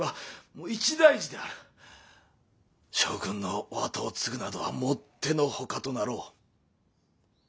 将軍のお跡を継ぐなどはもってのほかとなろう。